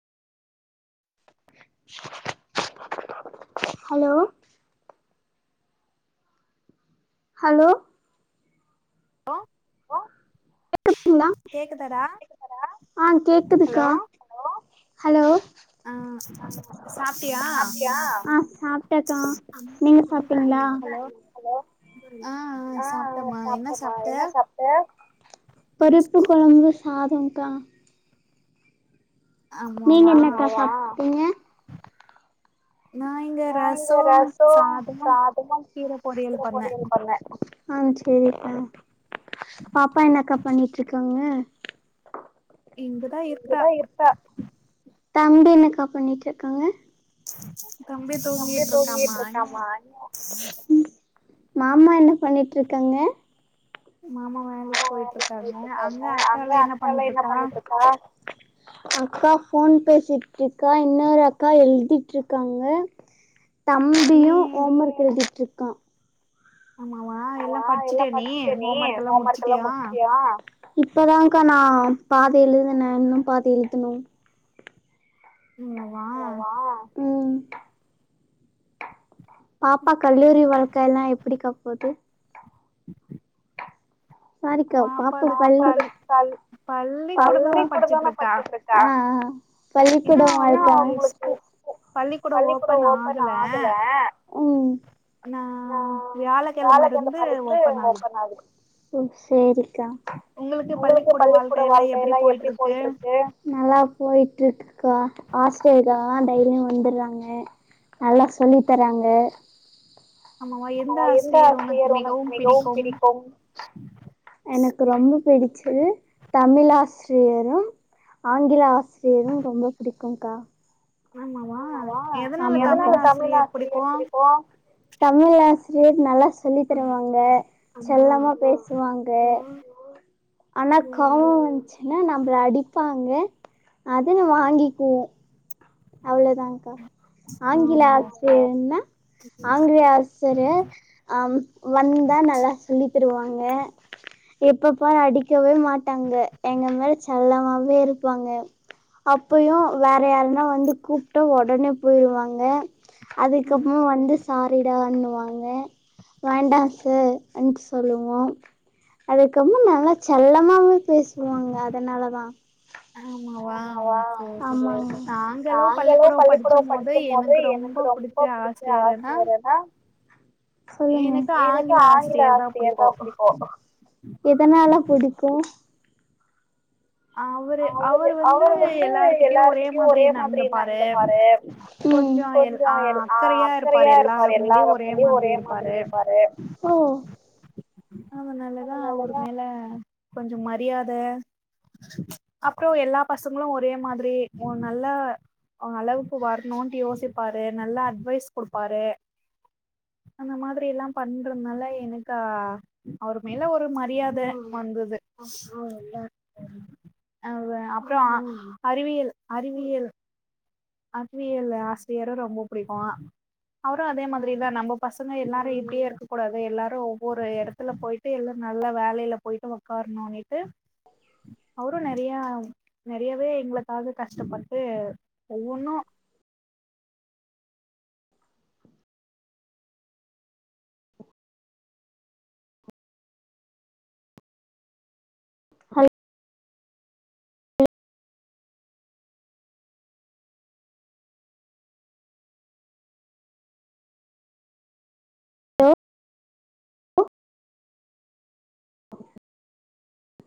hello hello hello [inaudible] ஆ கேக்குதுக்கா hello ஆ சாப்ட்டியா ஹலோ ஆ ஆ சாப்டமா என்ன சாப்ட்ட பருப்பு கொழம்பு சாதங்க்கா நீங்க என்னக்கா சாப்டிங்க நா இங்க ரச சாதமும் கீர பொரியல் பண்ணே ஆ சேரிக்கா பாப்பா என்னக்கா பண்ணிட்ருக்காங்க இங்கதா இருக்றா தம்பி என்னக்கா பண்ணிட்ருக்காங்க தம்பி தூங்கிட்டு இருக்காமா மாமா என்ன பண்ணிட்டு இருக்காங்க மாமா வேலைக்கு போயிட்டு இருக்காங்க அங்க அக்காலா என்ன பண்ட்ருக்கா அக்கா ஃபோன் பேசிட்ருக்கா இன்னொரு அக்கா எழுதிட்ருக்காங்க தம்பியு ஓமர்க் எழுதிட்ருக் க்கா ஆமாவா எல்லா படிச்சிட்டியா நீ ஹோம்ஒர்க் எல்லா முடிச்சுட்டியா இப்பதான்கா நா பாதி எழுதுனே இன்னு பாதி எழுதணு ம் பாப்பா கல்லூரி வாழ்க்க எல்லா எப்பிடிக்கா போகுது ம் சாரிக்கா பாப்பா பள்ளி [unintelligible] கல் [unintelligible] கூட தான படிச்சிட்ருக்கா அ அ பள்ளிக்கூடம் [unintelligible] அவுங்ளுக்கு பள்ளிக்கூட ஓப்பன் ஆகல ம் நா வ்யாலக்கெலமலிந்து ஓப்பன் ஆகுது ம் சேரி உங்ளுக்கு பள்ளிக்கூட வாழ்க்க எல்லாம் எப்டி போயிட்ருக்கு நல்லா போய்ட்ருக்குக்கா ஆஸ்டேகா ஆன் டைரியு வந்துற்றாங்க நல்லா சொல்லி தராங்க அமாவா எந்த ஆசிரியர் ஒனக்கு மிகவு பிடிக்கு எனக் ரொம் பிடிச்சிது தமிலாஸ்ரியரு ஆங்கில ஆஸ் சீரு ரொம்ப புடிக் கொங்கா ஆமாவா ஆமாகா எதனால தமில் ஆசிரியர் புடிக்கோ தமில் ஆஸ்ரியர் நல்லாஸ் சொல்லி தருவாங்க செல்லம பேஸ்வாங்க ஆனா கோவொ வந்ச்சினா நா ம்றடிப்பாங்க அத ந வாங்கிகுவோம் அவ்வளோதாங்கா ஆங்கில ஆஸ்ரியர்ன்னா ஆங்கிலே ஆஸ்சரியர் வந்தா நல்லா சொல்லி தருவாங் அங்க எப்ப பார் அடிக்கவே மாட்டாங்க எங்க மேல செல்லமாவே இருப்பாங்க அப்புயு வேற யாருனா வ ந்து கூப்ட்ட ஒடனே போயிருவாங்க அதுக்கப்பம் வந்து சாரீடா அன்னுவாங்க வேண்டா சு அன்ட் சொல்லுவோ அதுக்கம்மு நல்லா செல்லமாவு பேசுவாங்க அதனால தா ஆமாவ ஆமாங் நாங்களு பள்ளிக்கூடொ படிக்கு மோது எனக்கு ரொம்ப புடிச்ச ஆசியரெனா சொல்லுங்க எனக்கு ஆங்கில ஆஸ்ரியர் தா புடிக்கும் எதனால புடிக்கு அவுரு அவரு வந் அவ்ர வந்து எல்லாருகிட்யும் ஒரே மாத்ரி நட்ந்துப்பாரு ம் கொஞ்சொ எல் ஆ அக்கறயா இருப்பாரு எல்லாரமேல்யு ஒரே மாதுரி இருப்பாரு ஒ ஒன்னாலதா அவுரு மேல கொஞ்சொ மரியாத அப்றோ எல்லா பசங்ளு ஒரே மாத்ரி மோ நல்ல அ அளவுக்கு வர்ணுன்ட் யோசிப்பாரு நல்லா அட்வைஸ் குடுப்பாரு அந்த மாதுரி எல்லாம் பண்றனால எனுக்கா அவுர் மேல ஒரு மரியாத வந்துது அப்றோ அ அறிவியல் அறிவியல் அத்வியல்லு ஆஸ்ரியரு ரொம்ப புடிக்கு அவரு அதே மாத்ரிதா நம்போ பசங்க எல்லாரு இப்டியே இருக் கூடாது எல்லாரு ஒவ்வொரு இடத்துல போயிட்டு எல்ல நல்ல வேலைல பொய்ட்டு ஒக்கார்ணுனிட்டு அவுரு நெறியா நெறயவே எங்ளுக்காக கஷ்டப்பட்டு ஒவ்வொன்னு [inaudible]